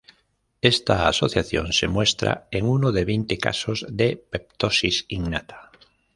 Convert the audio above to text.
Esta asociación se muestra en uno de veinte casos de ptosis innata.